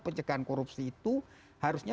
pencegahan korupsi itu harusnya